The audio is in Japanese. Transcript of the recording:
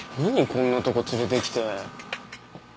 こんなとこ連れてきて。